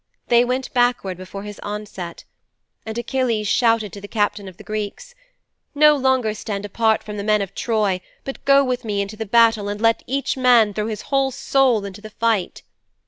They went backward before his onset. And Achilles shouted to the captains of the Greeks, "No longer stand apart from the men of Troy, but go with me into the battle and let each man throw his whole soul into the fight."'